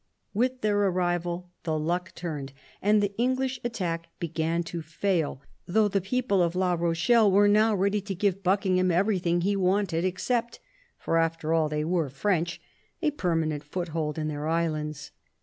With their arrival the luck turned, and the English attack began to fail, though the people of La Rochelle 1 86 CARDINAL DE RICHELIEU were now ready to give Buckingham everything he wanted, except — for after all, they were French — a permanent foothold in their islands.